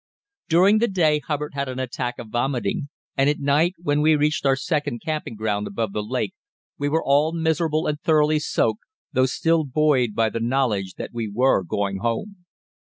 During the day Hubbard had an attack of vomiting, and at night, when we reached our second camping ground above the lake, we were all miserable and thoroughly soaked, though still buoyed up by the knowledge that we were going home.